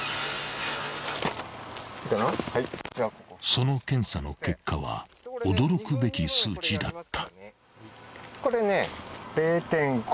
［その検査の結果は驚くべき数値だった］